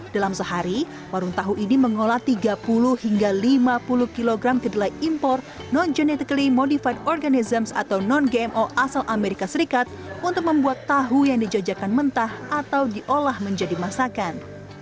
dalam sehari warung tahu ini mengolah tiga puluh hingga lima puluh kg kedelai impor non genetically modified organisms atau non gmo asal amerika serikat untuk membuat tahu yang dijajakan mentah atau diolah menjadi masakan